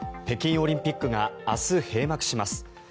北京オリンピックが明日、閉幕します。